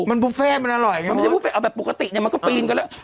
มันบุฟเฟ่มันอร่อยไงมันไม่ใช่บุฟเฟ่เอาแบบปกติเนี่ยมันก็ปีนกันแล้ว